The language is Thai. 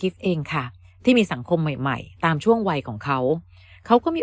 เองค่ะที่มีสังคมใหม่ใหม่ตามช่วงวัยของเขาเขาก็มี